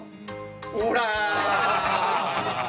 ほら！